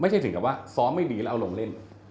ไม่ได้ถึงมัธรยาที่ส้อมไม่ดีแล้วลงเล่น